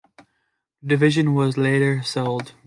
The division was later sold.